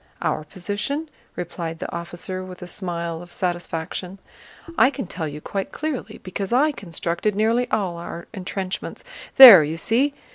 "Our position?" replied the officer with a smile of satisfaction. "I can tell you quite clearly, because I constructed nearly all our entrenchments. There, you see?